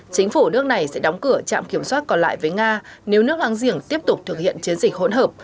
chính phủ nước này sẽ đóng cửa trạm kiểm soát còn lại với nga nếu nước hoang diển tiếp tục thực hiện chiến dịch hỗn hợp